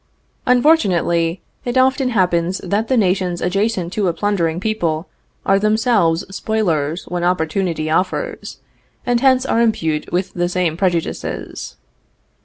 Unfortunately, it often happens that the nations adjacent to a plundering people are themselves spoilers when opportunity offers, and hence are imbued with the same prejudices.